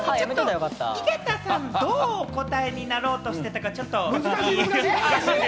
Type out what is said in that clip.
井桁さん、どうお答えになろうとしていたか。